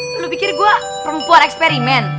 kamu pikir saya perempuan eksperimen